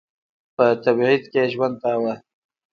په تبعید کې ژوند کاوه.